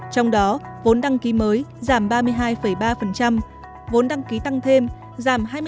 trong đó vốn đăng ký mới giảm ba mươi hai ba vốn đăng ký tăng thêm giảm hai mươi sáu